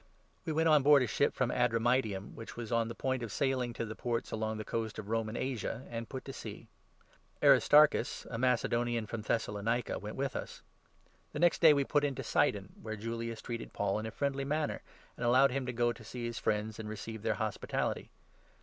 We went on board a ship from Adramyttium, which was on 2 the point of sailing to the ports along the coast of Roman Asia, and put to sea. Aristarchus, a Macedonian from Thessalonica, went with us. The next day we put into Sidon, where Julius 3 treated Paul in a friendly manner, and allowed him to go to see his friends and receive their hospitality.